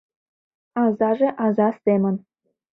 — Азаже аза семын...